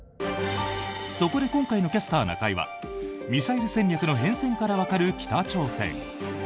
そこで今回の「キャスターな会」はミサイル戦略の変遷からわかる北朝鮮。